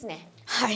はい。